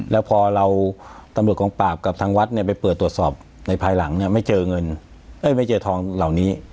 แล้วพอเราตำรวจกองปราบกับทางวัดเนี่ยไปเปิดตรวจสอบในภายหลังเนี่ยไม่เจอเงินไม่เจอทองเหล่านี้